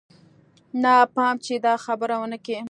نه پام چې دا خبره ونه کې.